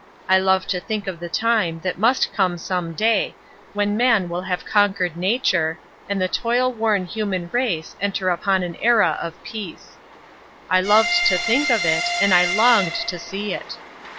I love to think of the time that must come some day when man will have conquered nature, and the toil worn human race enter upon an era of peace. I loved to think of it, and I longed to see it.